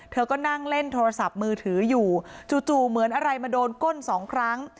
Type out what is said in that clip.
เธอก็นั่งเล่นโทรศัพท์มือถืออยู่จู่เหมือนอะไรมาโดนก้นสองครั้ง